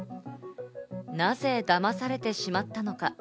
なぜだまされてしまったのか？